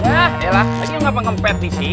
ya adalah ini apa kompetisi